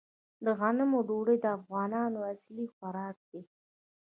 د غنمو ډوډۍ د افغانانو اصلي خوراک دی.